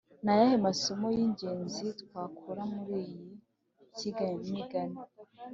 ni ayahe masomo y’ingenzi twakura muri iyi nsigamigani?